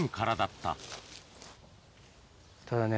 ただね